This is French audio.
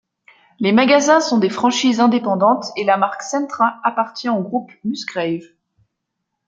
Les magasins sont des franchises indépendantes et la marque Centra appartient au groupe Musgrave.